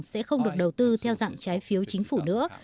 sẽ không được đầu tư theo dạng trái phiếu chính phủ nữa